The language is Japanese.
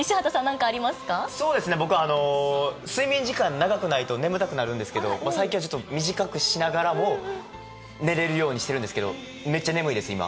そうですね、僕、睡眠時間長くないと眠たくなるんですけど、最近は短くしながら、寝れるようにしてるんですけど、めっちゃ眠いです、今。